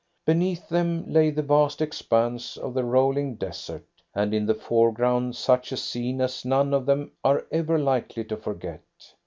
Beneath them lay the vast expanse of the rolling desert, and in the foreground such a scene as none of them are ever likely to forget.